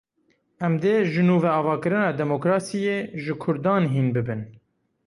Em dê jinûveavakirina demokrasiyê, ji kurdan hîn bibin.